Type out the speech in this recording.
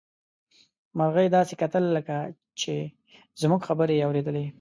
مرغۍ داسې کتل لکه چې زموږ خبرې يې اوريدلې.